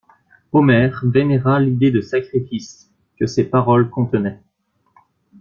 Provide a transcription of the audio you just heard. Omer vénéra l'idée de sacrifice que ces paroles contenaient.